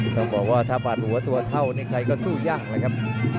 ต้องบอกว่าถ้าปาดหัวตัวเท่าในไทยก็สู้ยั่งเลยครับ